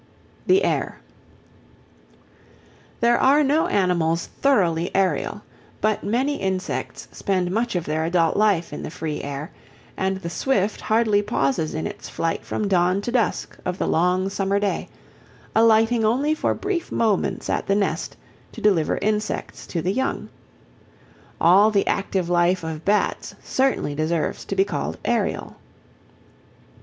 THE AIR There are no animals thoroughly aerial, but many insects spend much of their adult life in the free air, and the swift hardly pauses in its flight from dawn to dusk of the long summer day, alighting only for brief moments at the nest to deliver insects to the young. All the active life of bats certainly deserves to be called aerial.